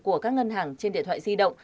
của các ngân hàng trên điện thoại di động